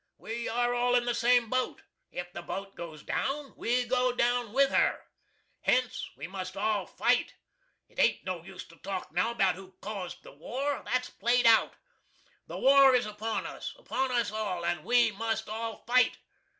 We are all in the same boat if the boat goes down, we go down with her. Hence we must all fight. It ain't no use to talk now about who CAUSED the war. That's played out. The war is upon us upon us all and we must all fight.